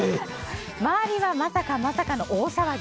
周りはまさかまさかの大騒ぎ。